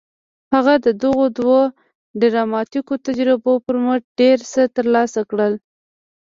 هغه د دغو دوو ډراماتيکو تجربو پر مټ ډېر څه ترلاسه کړل.